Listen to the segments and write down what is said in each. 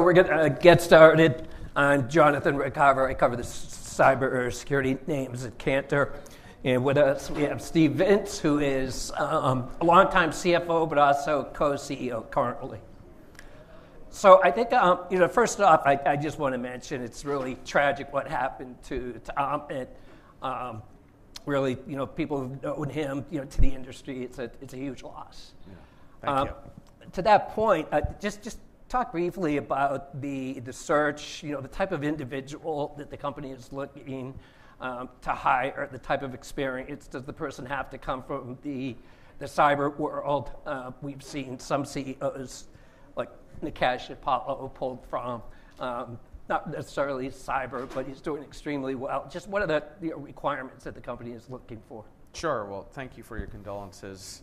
We're going to get started. I'm Jonathan Ruykhaver. I cover the cyber security names at Cantor. With us, we have Steve Vintz, who is a longtime CFO, but also co-CEO currently. I think, you know, first off, I just want to mention it's really tragic what happened to Amit. Really, you know, people who've known him, you know, to the industry, it's a huge loss. Yeah. Thank you. To that point, just talk briefly about the search, you know, the type of individual that the company is looking to hire, the type of experience. Does the person have to come from the cyber world? We've seen some CEOs, like Nikesh at Palo, pulled from not necessarily cyber, but he's doing extremely well. Just what are the requirements that the company is looking for? Sure. Thank you for your condolences.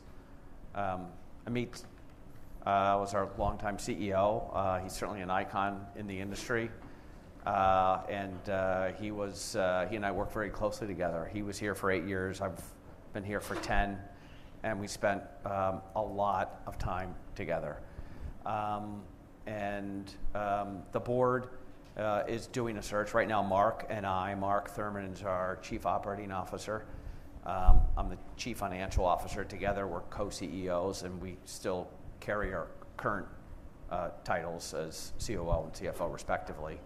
Amit was our longtime CEO. He is certainly an icon in the industry. He and I worked very closely together. He was here for eight years. I have been here for ten. We spent a lot of time together. The board is doing a search right now. Mark and I, Mark Thurmond is our Chief Operating Officer. I am the Chief Financial Officer. Together, we are co-CEOs, and we still carry our current titles as COO and CFO, respectively.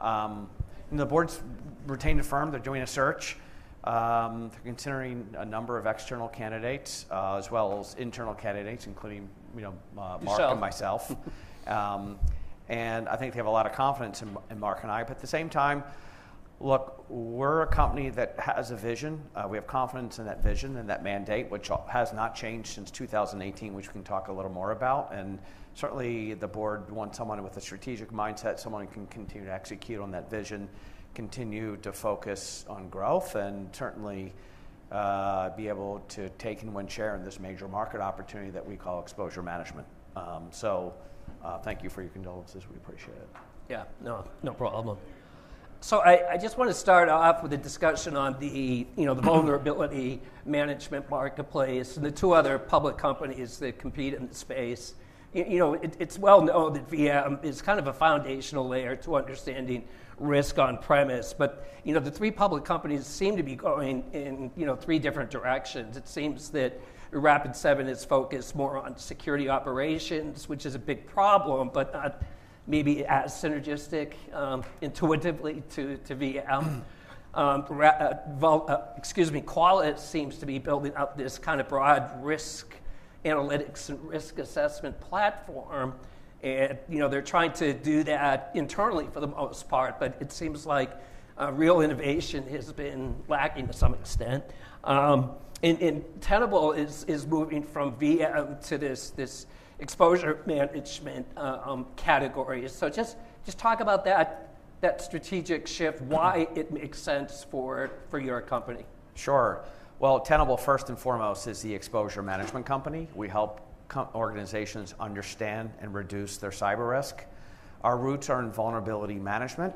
The board has retained a firm. They are doing a search. They are considering a number of external candidates, as well as internal candidates, including, you know, Mark and myself. I think they have a lot of confidence in Mark and I. At the same time, look, we are a company that has a vision. We have confidence in that vision and that mandate, which has not changed since 2018, which we can talk a little more about. The board wants someone with a strategic mindset, someone who can continue to execute on that vision, continue to focus on growth, and certainly be able to take and win share in this major market opportunity that we call exposure management. Thank you for your condolences. We appreciate it. Yeah. No, no problem. I just want to start off with a discussion on the, you know, the vulnerability management marketplace and the two other public companies that compete in the space. You know, it's well known that VM is kind of a foundational layer to understanding risk on premise. But, you know, the three public companies seem to be going in, you know, three different directions. It seems that Rapid7 is focused more on security operations, which is a big problem, but not maybe as synergistic intuitively to VM. Excuse me, Qualys seems to be building up this kind of broad risk analytics and risk assessment platform. You know, they're trying to do that internally for the most part, but it seems like real innovation has been lacking to some extent. Tenable is moving from VM to this exposure management category. Just talk about that strategic shift, why it makes sense for your company. Sure. Tenable, first and foremost, is the exposure management company. We help organizations understand and reduce their cyber risk. Our roots are in vulnerability management,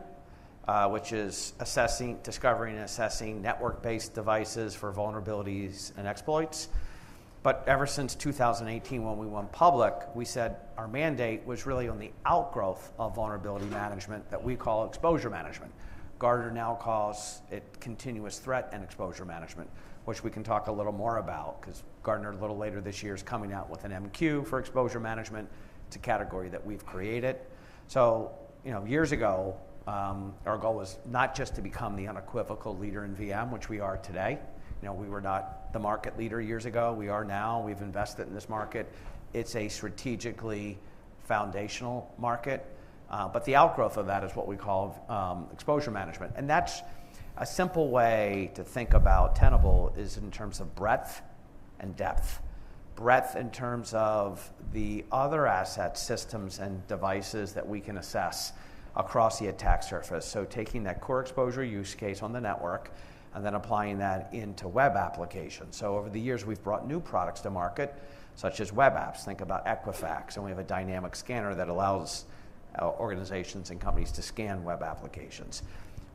which is discovering and assessing network-based devices for vulnerabilities and exploits. Ever since 2018, when we went public, we said our mandate was really on the outgrowth of vulnerability management that we call exposure management. Gartner now calls it continuous threat and exposure management, which we can talk a little more about because Gartner, a little later this year, is coming out with an MQ for exposure management. It is a category that we have created. You know, years ago, our goal was not just to become the unequivocal leader in VM, which we are today. You know, we were not the market leader years ago. We are now. We have invested in this market. It is a strategically foundational market. The outgrowth of that is what we call exposure management. A simple way to think about Tenable is in terms of breadth and depth. Breadth in terms of the other assets, systems, and devices that we can assess across the attack surface. Taking that core exposure use case on the network and then applying that into web applications. Over the years, we've brought new products to market, such as web apps. Think about Equifax. We have a dynamic scanner that allows organizations and companies to scan web applications.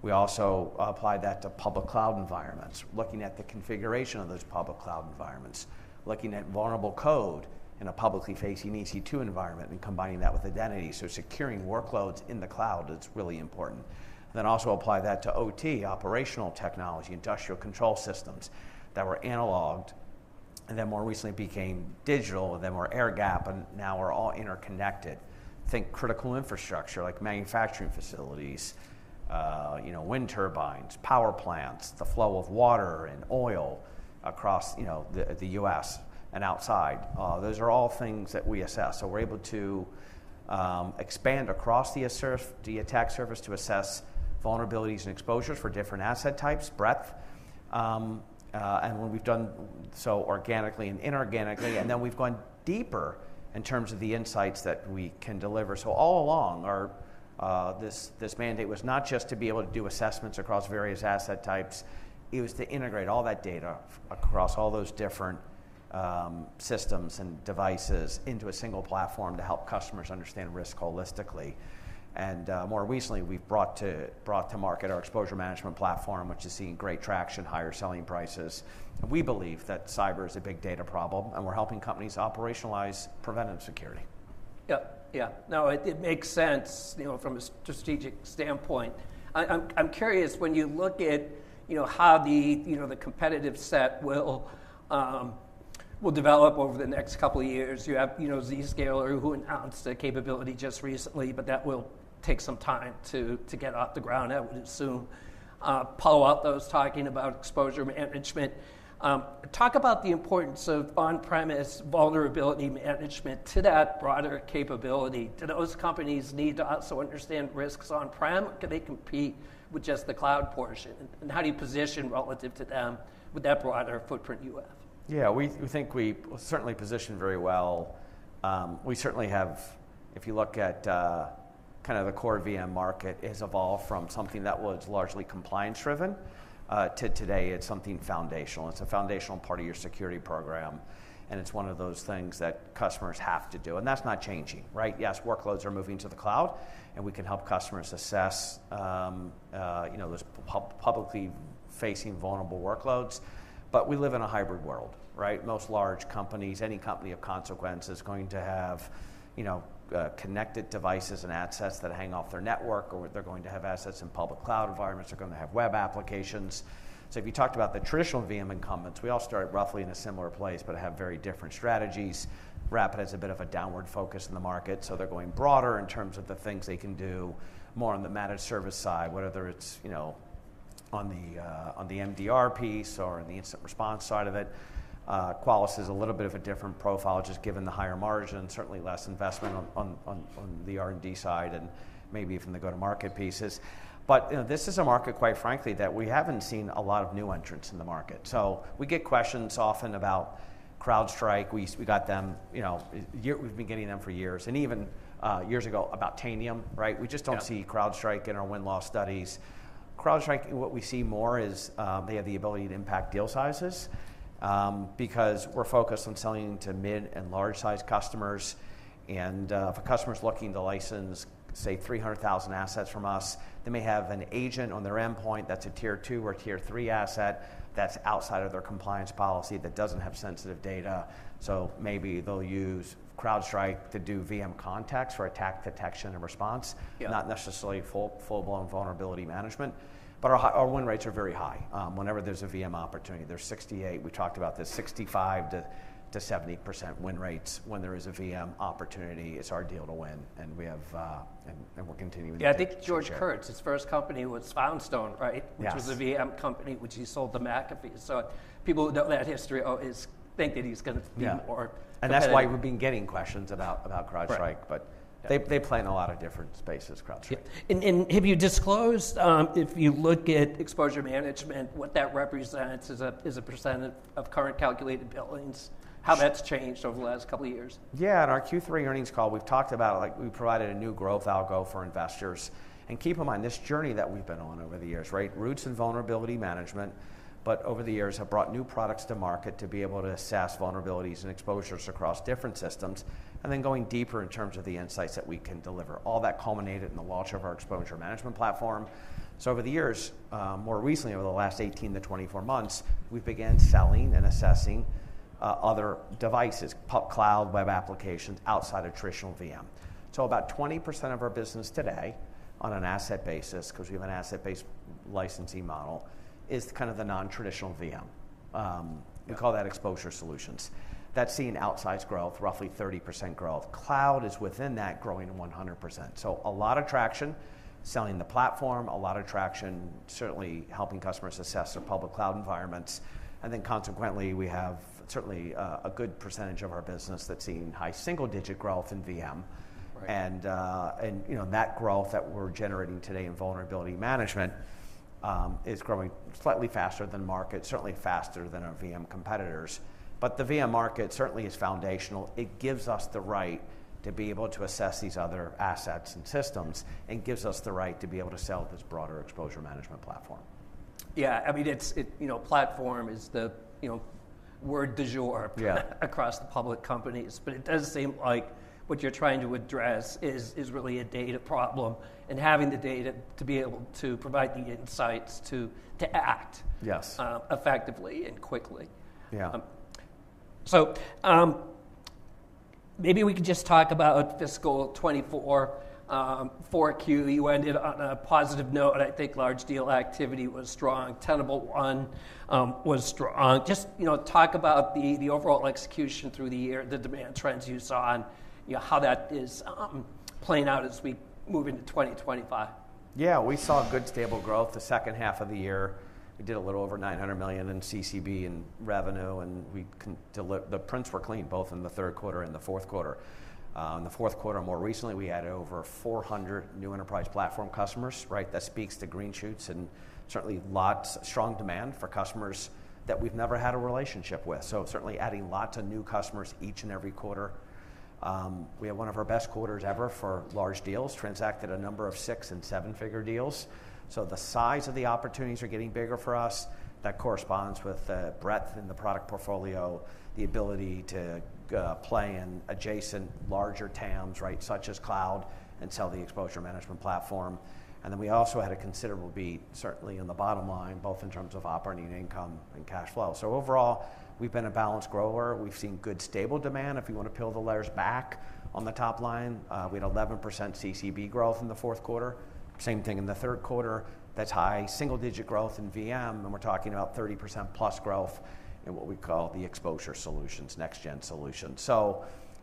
We also apply that to public cloud environments, looking at the configuration of those public cloud environments, looking at vulnerable code in a publicly facing EC2 environment and combining that with identity. Securing workloads in the cloud is really important. Also apply that to OT, operational technology, industrial control systems that were analogged and then more recently became digital and then were air-gapped and now are all interconnected. Think critical infrastructure like manufacturing facilities, you know, wind turbines, power plants, the flow of water and oil across, you know, the U.S. and outside. Those are all things that we assess. We are able to expand across the attack surface to assess vulnerabilities and exposures for different asset types, breadth. When we have done so organically and inorganically, we have gone deeper in terms of the insights that we can deliver. All along, this mandate was not just to be able to do assessments across various asset types. It was to integrate all that data across all those different systems and devices into a single platform to help customers understand risk holistically. More recently, we've brought to market our Exposure Management Platform, which is seeing great traction, higher selling prices. We believe that cyber is a big data problem, and we're helping companies operationalize preventative security. Yeah. Yeah. No, it makes sense, you know, from a strategic standpoint. I'm curious, when you look at, you know, how the, you know, the competitive set will develop over the next couple of years, you have, you know, Zscaler who announced a capability just recently, but that will take some time to get off the ground, I would assume. Palo Alto was talking about exposure management. Talk about the importance of on-premise vulnerability management to that broader capability. Do those companies need to also understand risks on-prem? Can they compete with just the cloud portion? How do you position relative to them with that broader footprint you have? Yeah, we think we certainly position very well. We certainly have, if you look at kind of the core VM market, it has evolved from something that was largely compliance-driven to today, it's something foundational. It's a foundational part of your security program. And it's one of those things that customers have to do. That's not changing, right? Yes, workloads are moving to the cloud. We can help customers assess, you know, those publicly facing vulnerable workloads. We live in a hybrid world, right? Most large companies, any company of consequence, is going to have, you know, connected devices and assets that hang off their network, or they're going to have assets in public cloud environments. They're going to have web applications. If you talked about the traditional VM incumbents, we all started roughly in a similar place, but have very different strategies. Rapid has a bit of a downward focus in the market. They are going broader in terms of the things they can do more on the managed server side, whether it is, you know, on the MDR piece or in the incident response side of it. Qualys is a little bit of a different profile, just given the higher margin, certainly less investment on the R&D side and maybe even the go-to-market pieces. This is a market, quite frankly, that we have not seen a lot of new entrants in the market. We get questions often about CrowdStrike. We got them, you know, we have been getting them for years. Even years ago, about Tanium, right? We just do not see CrowdStrike in our win-loss studies. CrowdStrike, what we see more is they have the ability to impact deal sizes because we are focused on selling to mid and large-sized customers. If a customer's looking to license, say, 300,000 assets from us, they may have an agent on their endpoint that's a Tier 2 or Tier 3 asset that's outside of their compliance policy that doesn't have sensitive data. Maybe they'll use CrowdStrike to do VM contacts for attack detection and response, not necessarily full-blown vulnerability management. Our win rates are very high. Whenever there's a VM opportunity, there's 68%, we talked about this, 65%-70% win rates when there is a VM opportunity. It's our deal to win. We have, and we're continuing to. Yeah, I think George Kurtz's first company was Foundstone, right? Yeah. Which was a VM company, which he sold to McAfee. People who know that history always think that he's going to be more. That is why we have been getting questions about CrowdStrike. They play in a lot of different spaces, CrowdStrike. Have you disclosed, if you look at exposure management, what that represents as a percent of current calculated billings, how that's changed over the last couple of years? Yeah. In our Q3 earnings call, we've talked about it. Like, we provided a new growth algo for investors. Keep in mind, this journey that we've been on over the years, right? Roots in vulnerability management, but over the years, have brought new products to market to be able to assess vulnerabilities and exposures across different systems. Then going deeper in terms of the insights that we can deliver. All that culminated in the launch of our exposure management platform. Over the years, more recently, over the last 18-24 months, we've began selling and assessing other devices, cloud, web applications outside of traditional VM. About 20% of our business today on an asset basis, because we have an asset-based licensing model, is kind of the non-traditional VM. We call that exposure solutions. That's seen outsized growth, roughly 30% growth. Cloud is within that, growing 100%. A lot of traction selling the platform, a lot of traction certainly helping customers assess their public cloud environments. Consequently, we have certainly a good percentage of our business that's seen high single-digit growth in VM. You know, that growth that we're generating today in vulnerability management is growing slightly faster than the market, certainly faster than our VM competitors. The VM market certainly is foundational. It gives us the right to be able to assess these other assets and systems and gives us the right to be able to sell this broader exposure management platform. Yeah. I mean, it's, you know, platform is the, you know, word du jour across the public companies. It does seem like what you're trying to address is really a data problem and having the data to be able to provide the insights to act effectively and quickly. Yeah. Maybe we could just talk about fiscal 2024, Q4. You ended on a positive note. I think large deal activity was strong. Tenable One was strong. Just, you know, talk about the overall execution through the year, the demand trends you saw and, you know, how that is playing out as we move into 2025. Yeah. We saw good stable growth the second half of the year. We did a little over $900 million in CCB and revenue. The prints were clean both in the third quarter and the fourth quarter. In the fourth quarter, more recently, we had over 400 new enterprise platform customers, right? That speaks to green shoots and certainly lots, strong demand for customers that we've never had a relationship with. Certainly adding lots of new customers each and every quarter. We have one of our best quarters ever for large deals, transacted a number of six and seven-figure deals. The size of the opportunities are getting bigger for us. That corresponds with the breadth in the product portfolio, the ability to play in adjacent larger TAMs, right, such as cloud, and sell the exposure management platform. We also had a considerable beat, certainly in the bottom line, both in terms of operating income and cash flow. Overall, we've been a balanced grower. We've seen good stable demand. If you want to peel the layers back on the top line, we had 11% CCB growth in the fourth quarter. Same thing in the third quarter. That's high single-digit growth in VM. We're talking about 30%+ growth in what we call the exposure solutions, next-gen solutions.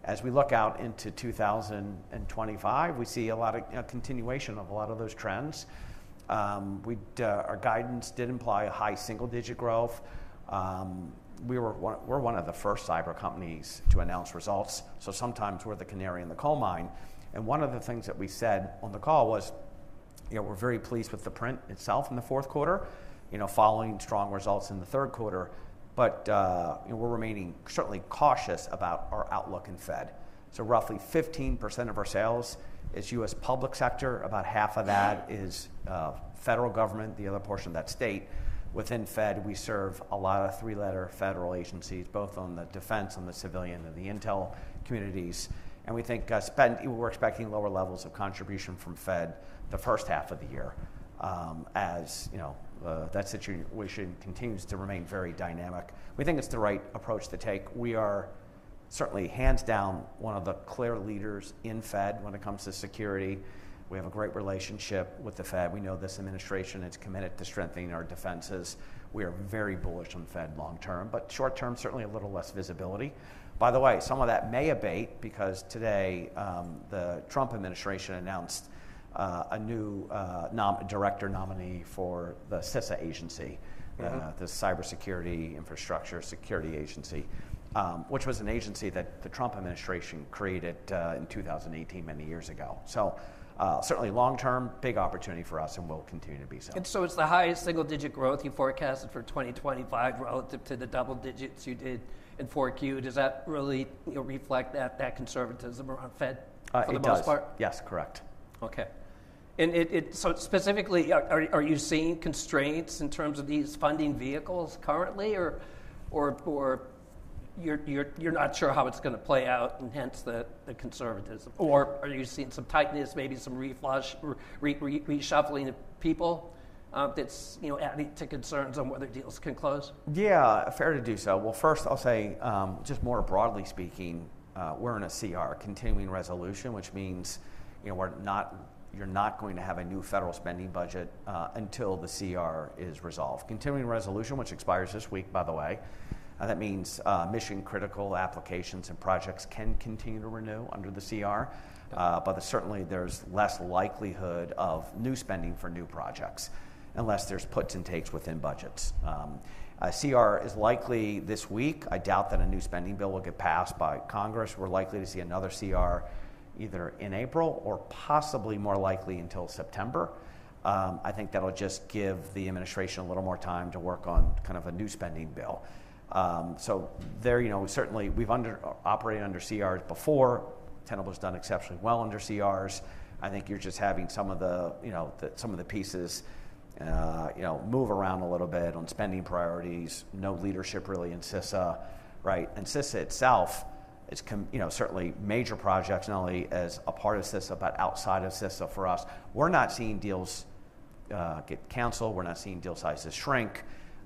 As we look out into 2025, we see a lot of continuation of a lot of those trends. Our guidance did imply a high single-digit growth. We were one of the first cyber companies to announce results. Sometimes we're the canary in the coal mine. One of the things that we said on the call was, you know, we're very pleased with the print itself in the fourth quarter, you know, following strong results in the third quarter. We are remaining certainly cautious about our outlook in Fed. Roughly 15% of our sales is U.S. public sector. About half of that is federal government, the other portion of that state. Within Fed, we serve a lot of three-letter federal agencies, both on the defense, on the civilian, and the intel communities. We think we're expecting lower levels of contribution from Fed the first half of the year as, you know, that situation continues to remain very dynamic. We think it's the right approach to take. We are certainly hands down one of the clear leaders in Fed when it comes to security. We have a great relationship with the Fed. We know this administration is committed to strengthening our defenses. We are very bullish on Fed long-term, but short-term, certainly a little less visibility. By the way, some of that may abate because today the Trump administration announced a new director nominee for the CISA agency, the Cybersecurity Infrastructure Security Agency, which was an agency that the Trump administration created in 2018, many years ago. Certainly long-term, big opportunity for us, and we'll continue to be so. It's the highest single-digit growth you forecasted for 2025 relative to the double digits you did in Q4. Does that really reflect that conservatism around Fed for the most part? Yes, correct. Okay. Specifically, are you seeing constraints in terms of these funding vehicles currently, or you're not sure how it's going to play out and hence the conservatism? Or are you seeing some tightness, maybe some reshuffling of people that's, you know, adding to concerns on whether deals can close? Yeah, fair to do so. First, I'll say just more broadly speaking, we're in a CR, continuing resolution, which means, you know, you're not going to have a new federal spending budget until the CR is resolved. Continuing resolution, which expires this week, by the way, that means mission-critical applications and projects can continue to renew under the CR. Certainly there's less likelihood of new spending for new projects unless there's puts and takes within budgets. A CR is likely this week. I doubt that a new spending bill will get passed by Congress. We're likely to see another CR either in April or possibly more likely until September. I think that'll just give the administration a little more time to work on kind of a new spending bill. There, you know, certainly we've operated under CRs before. Tenable has done exceptionally well under CRs. I think you're just having some of the, you know, some of the pieces, you know, move around a little bit on spending priorities. No leadership really in CISA, right? And CISA itself is, you know, certainly major projects not only as a part of CISA, but outside of CISA for us. We're not seeing deals get canceled. We're not seeing deal sizes shrink.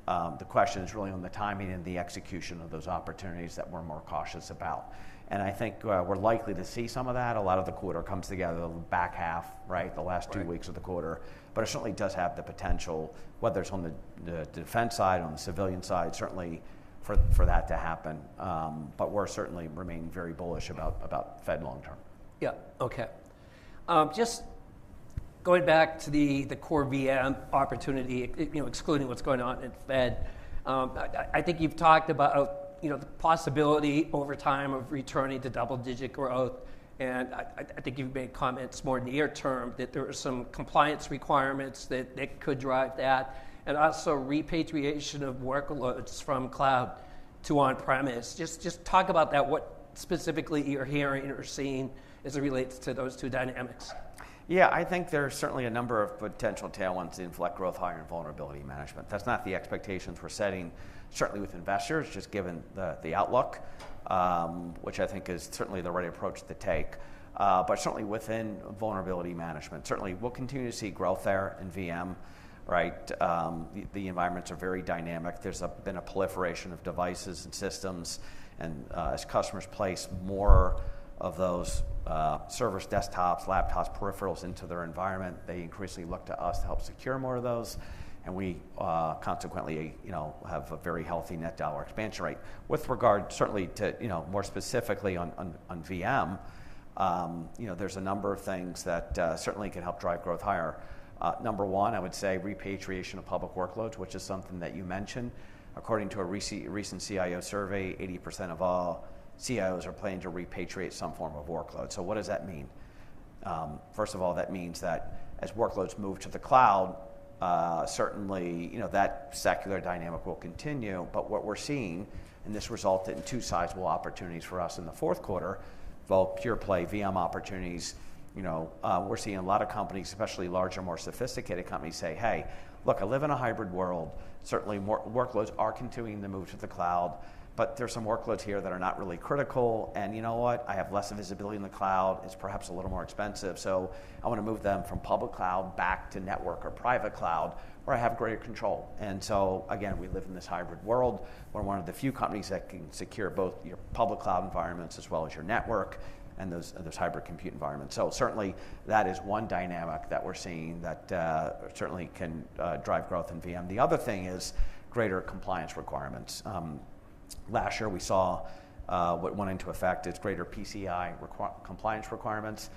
The question is really on the timing and the execution of those opportunities that we're more cautious about. I think we're likely to see some of that. A lot of the quarter comes together, the back half, right, the last two weeks of the quarter. It certainly does have the potential, whether it's on the defense side, on the civilian side, certainly for that to happen. We're certainly remaining very bullish about Fed long-term. Yeah, okay. Just going back to the core VM opportunity, you know, excluding what's going on in Fed, I think you've talked about, you know, the possibility over time of returning to double-digit growth. And I think you've made comments more near-term that there are some compliance requirements that could drive that and also repatriation of workloads from cloud to on-premise. Just talk about that, what specifically you're hearing or seeing as it relates to those two dynamics. Yeah, I think there are certainly a number of potential tailwinds to inflect growth higher in vulnerability management. That's not the expectations we're setting, certainly with investors, just given the outlook, which I think is certainly the right approach to take. Certainly within vulnerability management, we'll continue to see growth there in VM, right? The environments are very dynamic. There's been a proliferation of devices and systems. As customers place more of those servers, desktops, laptops, peripherals into their environment, they increasingly look to us to help secure more of those. We consequently, you know, have a very healthy net dollar expansion rate. With regard certainly to, you know, more specifically on VM, there's a number of things that certainly can help drive growth higher. Number one, I would say repatriation of public workloads, which is something that you mentioned. According to a recent CIO survey, 80% of all CIOs are planning to repatriate some form of workload. What does that mean? First of all, that means that as workloads move to the cloud, certainly, you know, that secular dynamic will continue. What we're seeing, and this resulted in two sizable opportunities for us in the fourth quarter, both pure-play VM opportunities. You know, we're seeing a lot of companies, especially larger, more sophisticated companies say, "Hey, look, I live in a hybrid world. Certainly, workloads are continuing to move to the cloud, but there's some workloads here that are not really critical. And you know what? I have less visibility in the cloud. It's perhaps a little more expensive. I want to move them from public cloud back to network or private cloud, where I have greater control. Again, we live in this hybrid world. We're one of the few companies that can secure both your public cloud environments as well as your network and those hybrid compute environments. That is one dynamic that we're seeing that certainly can drive growth in VM. The other thing is greater compliance requirements. Last year, we saw what went into effect is greater PCI compliance requirements.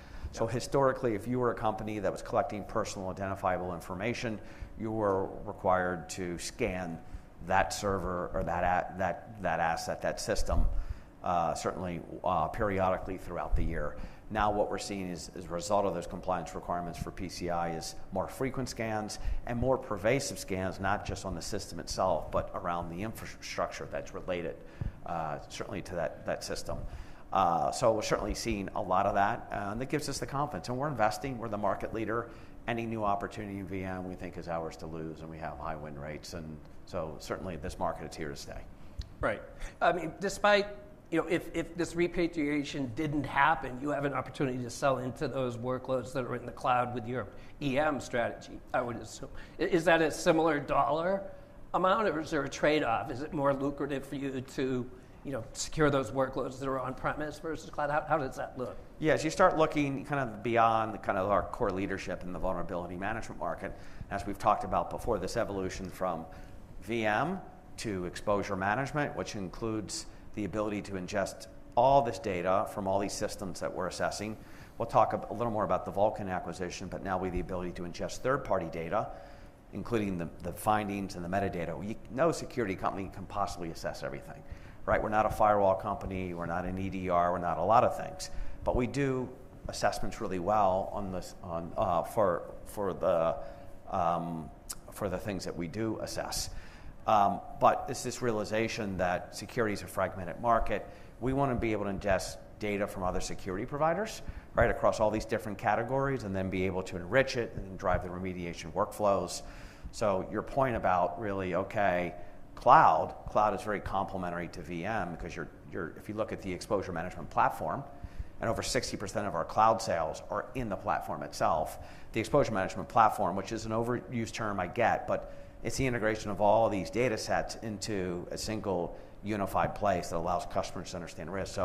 Historically, if you were a company that was collecting personal identifiable information, you were required to scan that server or that asset, that system, certainly periodically throughout the year. Now what we're seeing as a result of those compliance requirements for PCI is more frequent scans and more pervasive scans, not just on the system itself, but around the infrastructure that's related certainly to that system. We're certainly seeing a lot of that. That gives us the confidence. We're investing. We're the market leader. Any new opportunity in VM, we think, is ours to lose. We have high win rates. This market is here to stay. Right. I mean, despite, you know, if this repatriation did not happen, you have an opportunity to sell into those workloads that are in the cloud with your EM strategy, I would assume. Is that a similar dollar amount, or is there a trade-off? Is it more lucrative for you to, you know, secure those workloads that are on-premise versus cloud? How does that look? Yeah, as you start looking kind of beyond kind of our core leadership in the vulnerability management market, as we've talked about before, this evolution from VM to exposure management, which includes the ability to ingest all this data from all these systems that we're assessing. We'll talk a little more about the Vulcan acquisition, but now we have the ability to ingest third-party data, including the findings and the metadata. No security company can possibly assess everything, right? We're not a firewall company. We're not an EDR. We're not a lot of things. We do assessments really well for the things that we do assess. It is this realization that security is a fragmented market. We want to be able to ingest data from other security providers, right, across all these different categories, and then be able to enrich it and then drive the remediation workflows. Your point about really, okay, cloud, cloud is very complementary to VM because if you look at the exposure management platform, and over 60% of our cloud sales are in the platform itself, the exposure management platform, which is an overused term, I get, but it's the integration of all these data sets into a single unified place that allows customers to understand risk.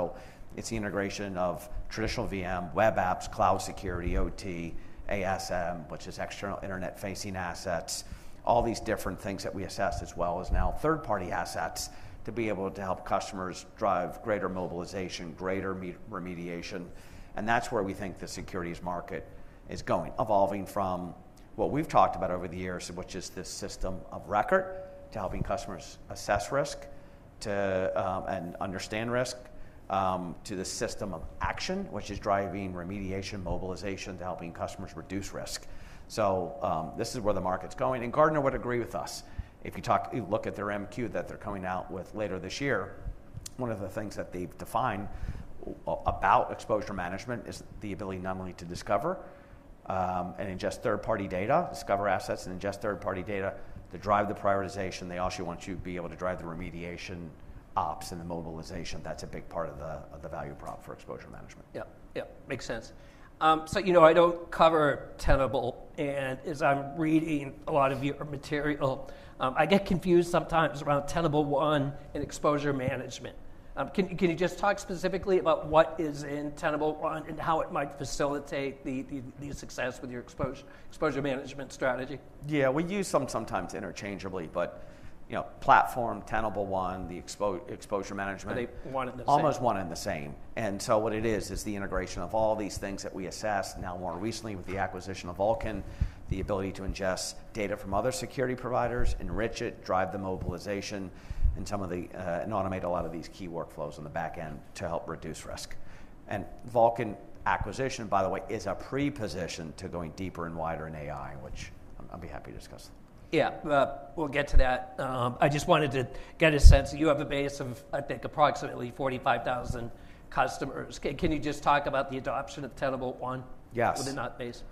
It's the integration of traditional VM, web apps, cloud security, OT, ASM, which is external internet-facing assets, all these different things that we assess as well as now third-party assets to be able to help customers drive greater mobilization, greater remediation. That's where we think the securities market is going, evolving from what we've talked about over the years, which is this system of record, to helping customers assess risk and understand risk, to the system of action, which is driving remediation, mobilization, to helping customers reduce risk. This is where the market's going. Gartner would agree with us. If you look at their Magic Quadrant that they're coming out with later this year, one of the things that they've defined about exposure management is the ability not only to discover and ingest third-party data, discover assets and ingest third-party data to drive the prioritization. They also want you to be able to drive the remediation ops and the mobilization. That's a big part of the value prop for exposure management. Yeah, yeah, makes sense. You know, I know I cover Tenable, and as I'm reading a lot of your material, I get confused sometimes around Tenable One and exposure management. Can you just talk specifically about what is in Tenable One and how it might facilitate the success with your exposure management strategy? Yeah, we use them sometimes interchangeably, but, you know, platform Tenable One, the exposure management. They wanted the same. Almost wanted the same. What it is, is the integration of all these things that we assess now more recently with the acquisition of Vulcan, the ability to ingest data from other security providers, enrich it, drive the mobilization, and automate a lot of these key workflows on the back end to help reduce risk. The Vulcan acquisition, by the way, is a pre-position to going deeper and wider in AI, which I'll be happy to discuss. Yeah, we'll get to that. I just wanted to get a sense. You have a base of, I think, approximately 45,000 customers. Can you just talk about the adoption of Tenable One within that base? Yes.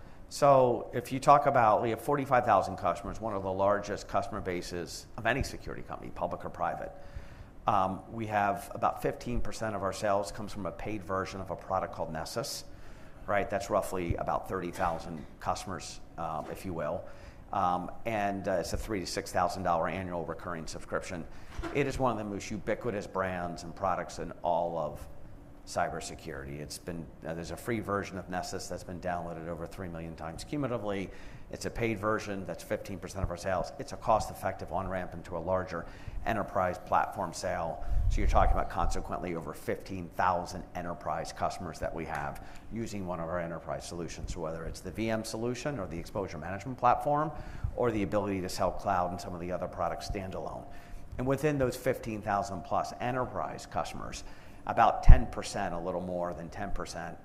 If you talk about, we have 45,000 customers, one of the largest customer bases of any security company, public or private. We have about 15% of our sales comes from a paid version of a product called Nessus, right? That's roughly about 30,000 customers, if you will. It is a $3,000-$6,000 annual recurring subscription. It is one of the most ubiquitous brands and products in all of cybersecurity. There is a free version of Nessus that's been downloaded over three million times cumulatively. It is a paid version that's 15% of our sales. It is a cost-effective on-ramp into a larger enterprise platform sale. You are talking about consequently over 15,000 enterprise customers that we have using one of our enterprise solutions, whether it's the VM solution or the exposure management platform or the ability to sell cloud and some of the other products standalone. Within those 15,000+ enterprise customers, about 10%, a little more than 10%,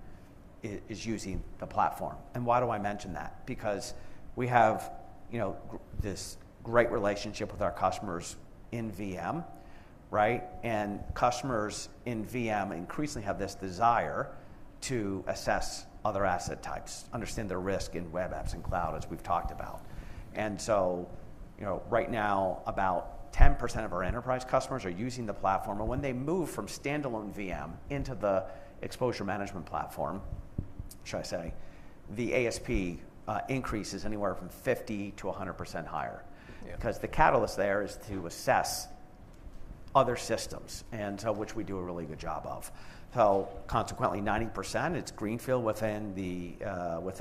is using the platform. Why do I mention that? Because we have, you know, this great relationship with our customers in VM, right? Customers in VM increasingly have this desire to assess other asset types, understand their risk in web apps and cloud, as we've talked about. Right now, about 10% of our enterprise customers are using the platform. When they move from standalone VM into the exposure management platform, should I say, the ASP increases anywhere from 50%-100% higher because the catalyst there is to assess other systems, which we do a really good job of. Consequently, 90% is greenfield within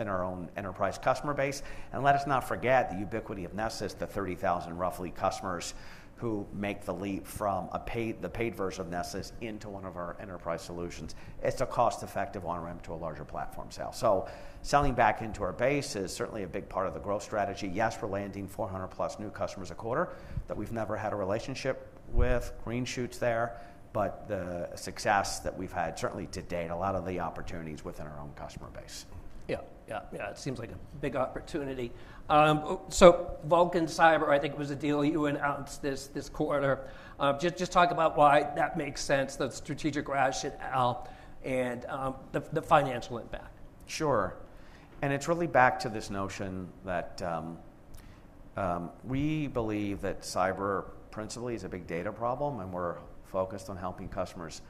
our own enterprise customer base. Let us not forget the ubiquity of Nessus, the 30,000 roughly customers who make the leap from the paid version of Nessus into one of our enterprise solutions. It is a cost-effective on-ramp to a larger platform sale. Selling back into our base is certainly a big part of the growth strategy. Yes, we are landing 400+ new customers a quarter that we have never had a relationship with, green shoots there, but the success that we have had certainly to date is a lot of the opportunities within our own customer base. Yeah, yeah, yeah, it seems like a big opportunity. Vulcan Cyber, I think it was a deal you announced this quarter. Just talk about why that makes sense, the strategic rationale and the financial impact. Sure. It is really back to this notion that we believe that cyber principally is a big data problem, and we are focused on helping customers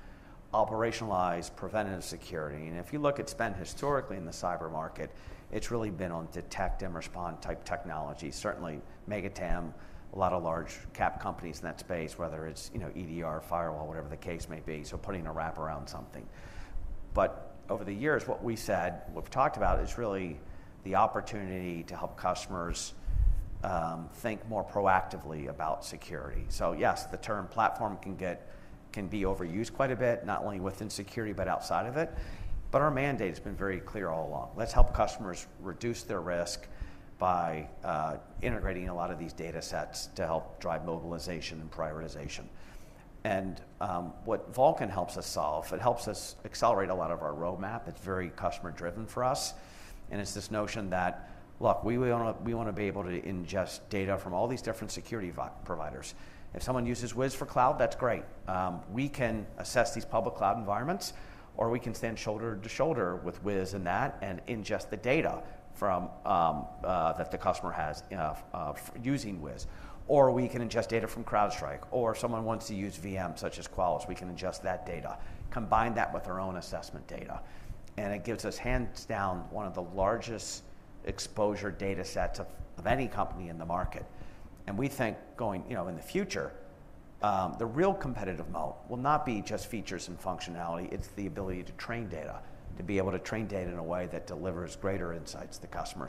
operationalize preventative security. If you look at spend historically in the cyber market, it has really been on detect and respond type technology, certainly [Megatem], a lot of large cap companies in that space, whether it is, you know, EDR, firewall, whatever the case may be, putting a wrap around something. Over the years, what we said, what we have talked about is really the opportunity to help customers think more proactively about security. Yes, the term platform can be overused quite a bit, not only within security, but outside of it. Our mandate has been very clear all along. Let us help customers reduce their risk by integrating a lot of these data sets to help drive mobilization and prioritization. What Vulcan helps us solve, it helps us accelerate a lot of our roadmap. It's very customer-driven for us. It's this notion that, look, we want to be able to ingest data from all these different security providers. If someone uses Wiz for cloud, that's great. We can assess these public cloud environments, or we can stand shoulder to shoulder with Wiz and that and ingest the data that the customer has using Wiz. We can ingest data from CrowdStrike. If someone wants to use VM, such as Qualys, we can ingest that data, combine that with our own assessment data. It gives us hands down one of the largest exposure data sets of any company in the market. We think going, you know, in the future, the real competitive moat will not be just features and functionality. It's the ability to train data, to be able to train data in a way that delivers greater insights to the customer.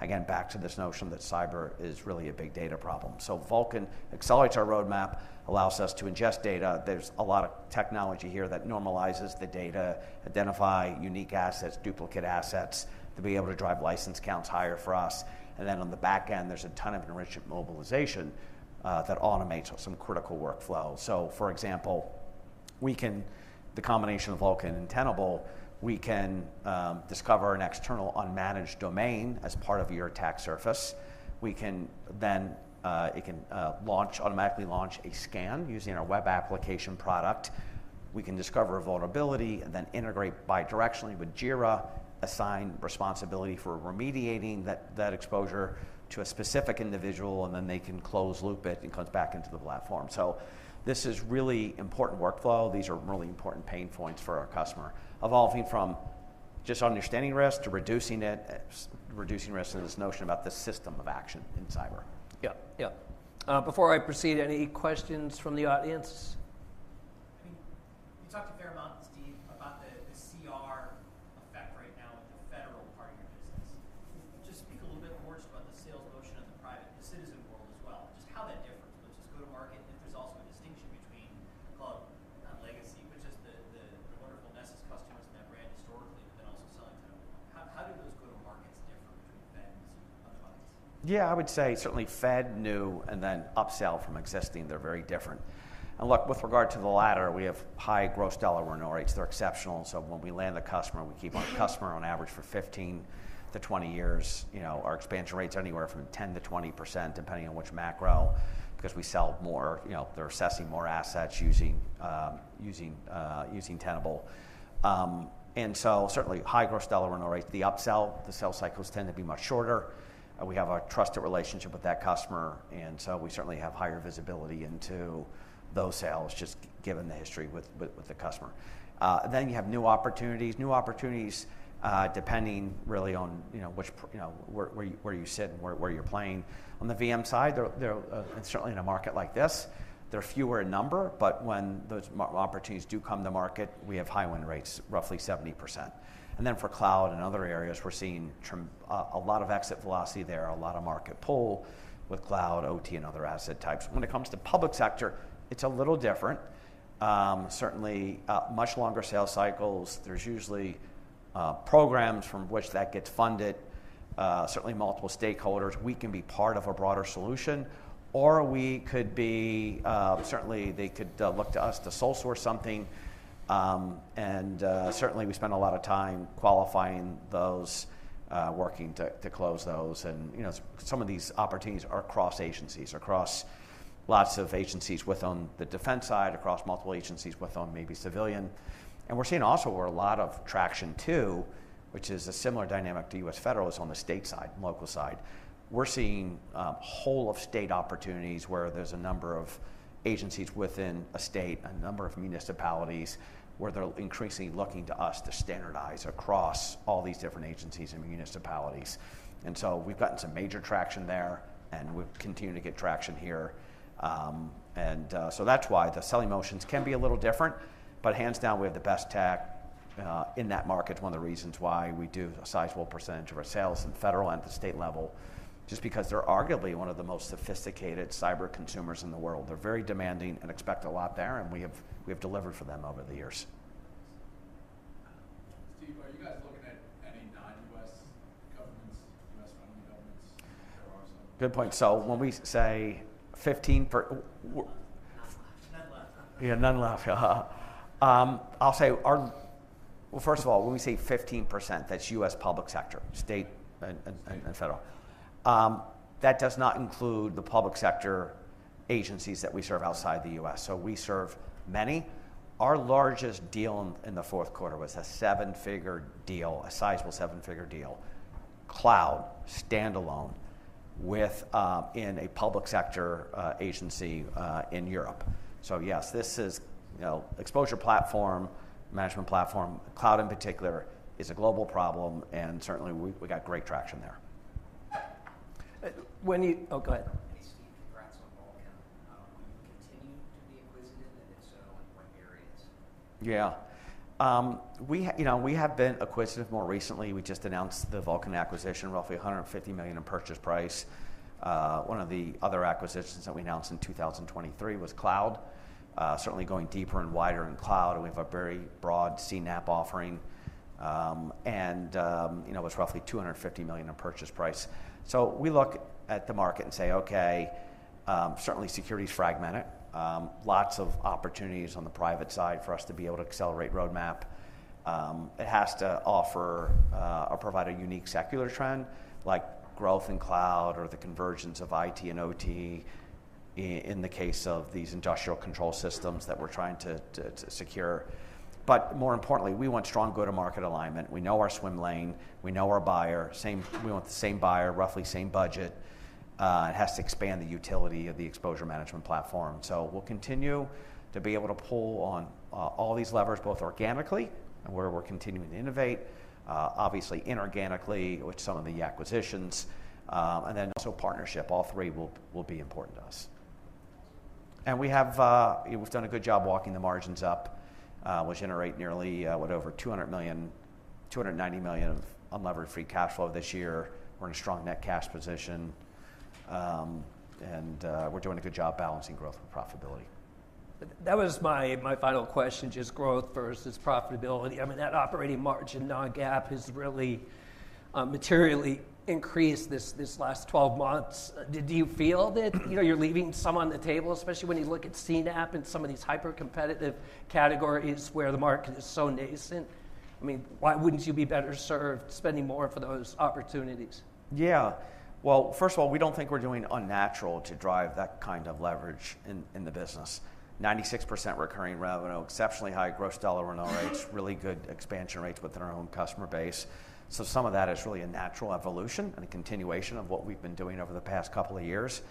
Again, back to this notion that cyber is really a big data problem. Vulcan accelerates our roadmap, allows us to ingest data. There's a lot of technology here that normalizes the data, identifies unique assets, duplicate assets to be able to drive license counts higher for us. On the back end, there's a ton of enriched mobilization that automates some critical workflows. For example, the combination of Vulcan and Tenable, we can discover an external unmanaged domain as part of your attack surface. It can automatically launch a scan using our web application product. We can discover a vulnerability and then integrate bidirectionally with JIRA, assign responsibility for remediating that exposure to a specific individual, and then they can close loop it and come back into the platform. This is really important workflow. These are really important pain points for our customer, evolving from just understanding risk to reducing risk and this notion about the system of action in cyber. Yeah, yeah. Before I proceed, any questions from the audience? I We have a trusted relationship with that customer, and so we certainly have higher visibility into those sales, just given the history with the customer. Then you have new opportunities. New opportunities depending really on, you know, where you sit and where you're playing. On the VM side, certainly in a market like this, they're fewer in number, but when those opportunities do come to market, we have high win rates, roughly 70%. For cloud and other areas, we're seeing a lot of exit velocity there, a lot of market pull with cloud, OT, and other asset types. When it comes to public sector, it's a little different. Certainly much longer sales cycles. There's usually programs from which that gets funded, certainly multiple stakeholders. We can be part of a broader solution, or certainly they could look to us to sole source something. We spend a lot of time qualifying those, working to close those. You know, some of these opportunities are across agencies, across lots of agencies within the defense side, across multiple agencies within maybe civilian. We're seeing also a lot of traction too, which is a similar dynamic to U.S. federal, on the state side, local side. We're seeing a whole of state opportunities where there's a number of agencies within a state, a number of municipalities where they're increasingly looking to us to standardize across all these different agencies and municipalities. We've gotten some major traction there, and we've continued to get traction here. That's why the selling motions can be a little different, but hands down, we have the best tech in that market. One of the reasons why we do a sizable percentage of our sales in federal and the state level is just because they're arguably one of the most sophisticated cyber consumers in the world. They're very demanding and expect a lot there, and we have delivered for them over the years. Steve, are you guys looking at any non-U.S. governments, U.S. friendly governments? If there are some. Good point. When we say 15. None left. Yeah, none left. I'll say, first of all, when we say 15%, that's U.S. public sector, state and federal. That does not include the public sector agencies that we serve outside the U.S. We serve many. Our largest deal in the fourth quarter was a seven-figure deal, a sizable seven-figure deal, cloud standalone within a public sector agency in Europe. Yes, this is exposure platform, management platform. Cloud in particular is a global problem, and certainly we got great traction there. When you, oh, go ahead. Hey, Steve, congrats on Vulcan. Will you continue to be acquisitive, and if so, in what areas? Yeah. You know, we have been acquisitive more recently. We just announced the Vulcan acquisition, roughly $150 million in purchase price. One of the other acquisitions that we announced in 2023 was cloud, certainly going deeper and wider in cloud, and we have a very broad CNAPP offering. You know, it was roughly $250 million in purchase price. We look at the market and say, okay, certainly security is fragmented. Lots of opportunities on the private side for us to be able to accelerate roadmap. It has to offer or provide a unique secular trend like growth in cloud or the convergence of IT and OT in the case of these industrial control systems that we're trying to secure. More importantly, we want strong go-to-market alignment. We know our swim lane. We know our buyer. We want the same buyer, roughly same budget. It has to expand the utility of the exposure management platform. We will continue to be able to pull on all these levers, both organically, where we are continuing to innovate, obviously inorganically with some of the acquisitions, and then also partnership. All three will be important to us. We have done a good job walking the margins up. We generate nearly, what, over $200 million, $290 million of unleveraged free cash flow this year. We are in a strong net cash position, and we are doing a good job balancing growth with profitability. That was my final question, just growth versus profitability. I mean, that operating margin gap has really materially increased this last 12 months. Do you feel that, you know, you're leaving some on the table, especially when you look at CNAPP and some of these hyper-competitive categories where the market is so nascent? I mean, why wouldn't you be better served spending more for those opportunities? Yeah. First of all, we do not think we are doing anything unnatural to drive that kind of leverage in the business. 96% recurring revenue, exceptionally high gross dollar renewal rates, really good expansion rates within our own customer base. Some of that is really a natural evolution and a continuation of what we have been doing over the past couple of years.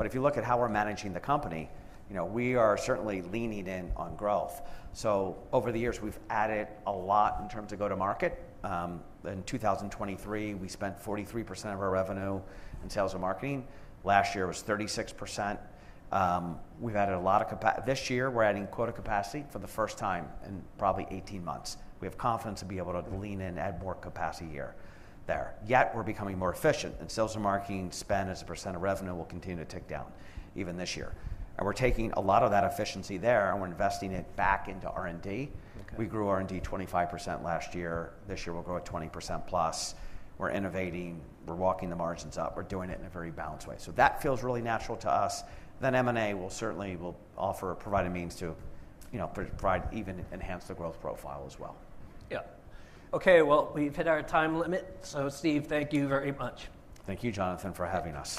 If you look at how we are managing the company, you know, we are certainly leaning in on growth. Over the years, we have added a lot in terms of go-to-market. In 2023, we spent 43% of our revenue in sales and marketing. Last year was 36%. We have added a lot of capacity. This year, we are adding quota capacity for the first time in probably 18 months. We have confidence to be able to lean in and add more capacity here. Yet we're becoming more efficient, and sales and marketing spend as a percent of revenue will continue to tick down even this year. We're taking a lot of that efficiency there, and we're investing it back into R&D. We grew R&D 25% last year. This year, we'll grow at 20%+. We're innovating. We're walking the margins up. We're doing it in a very balanced way. That feels really natural to us. M&A will certainly provide a means to, you know, provide even enhance the growth profile as well. Yeah. Okay, we've hit our time limit. Steve, thank you very much. Thank you, Jonathan, for having us.